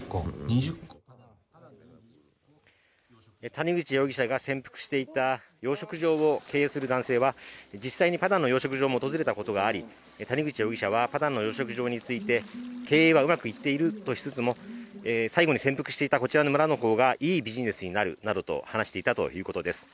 谷口容疑者が潜伏していた養殖場を経営する男性は実際にパダンの養殖場も訪れたこともあり谷口容疑者はパダンの養殖場について、経営はうまくいっているとしつつも最後に潜伏していたこちらの村の方がいいビジネスになると話していたということです。